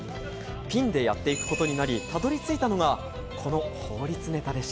ピンでやっていくことになり、たどり着いたのがこの法律ネタで